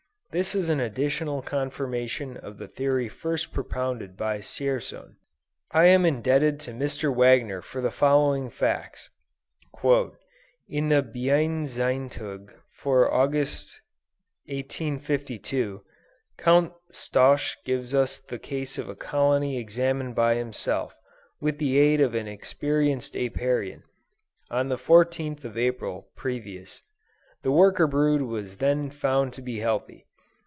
This is an additional confirmation of the theory first propounded by Dzierzon. I am indebted to Mr. Wagner for the following facts. "In the Bienenzeitung, for August, 1852, Count Stosch gives us the case of a colony examined by himself, with the aid of an experienced Apiarian, on the 14th of April, previous. The worker brood was then found to be healthy.